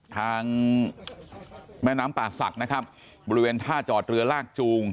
ทางแม่น้ำป่าศักดิ์นะครับบริเวณท่าจอดเรือลากจูง